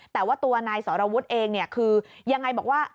แต่ว่าตัวนายสรวุฒิเองเนี่ยคือยังไงบอกว่า